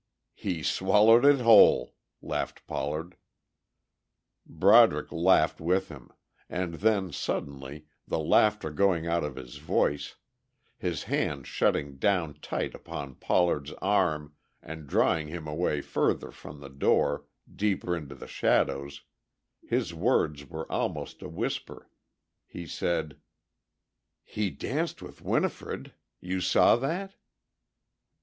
"He swallowed it whole," laughed Pollard. Broderick laughed with him, and then suddenly, the laughter going out of his voice, his hand shutting down tight upon Pollard's arm and drawing him away further from the door, deeper into the shadows, his words almost a whisper, he said: "He danced with Winifred. You saw that?"